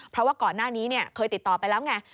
เพราะว่าก่อนหน้านี้เคยติดต่อไปแล้วไง